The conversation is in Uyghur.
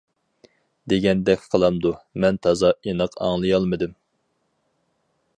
دېگەندەك قىلامدۇ، مەن تازا ئېنىق ئاڭلىيالمىدىم.